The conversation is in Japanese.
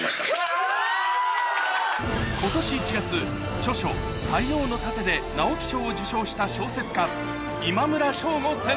今年１月著書『塞王の楯』で直木賞を受賞した小説家